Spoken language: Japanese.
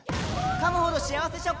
かむほど幸せ食感！